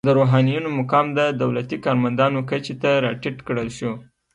د روحانینو مقام د دولتي کارمندانو کچې ته راټیټ کړل شو.